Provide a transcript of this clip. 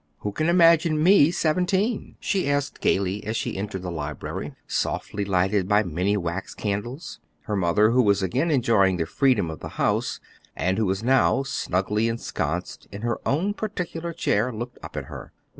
"Who can imagine me seventeen?" she asked gayly as she entered the library, softly lighted by many wax candles. Her mother, who was again enjoying the freedom of the house, and who was now snugly ensconced in her own particular chair, looked up at her.